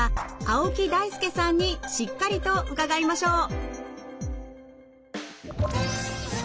青木大輔さんにしっかりと伺いましょう。